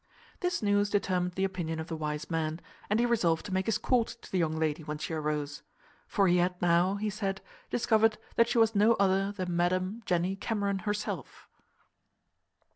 This news determined the opinion of the wise man, and he resolved to make his court to the young lady when she arose; for he had now (he said) discovered that she was no other than Madam Jenny Cameron herself.